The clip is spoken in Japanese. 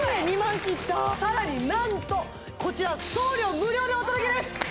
さらになんとこちら送料無料でお届けです